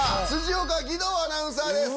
辻岡義堂アナウンサーです。